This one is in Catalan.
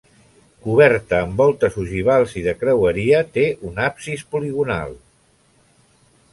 Coberta amb voltes ogivals i de creueria té un absis poligonal.